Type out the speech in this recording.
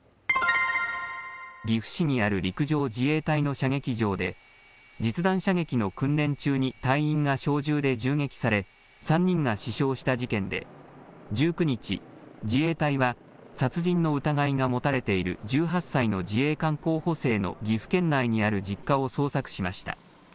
岐阜市にある陸上自衛隊の射撃場で実弾射撃の訓練中に隊員が小銃で銃撃され３人が死傷した事件で１９日、自衛隊は殺人の疑いが持たれている１８歳の自衛官候補生の岐阜県内にある実家を捜索しました。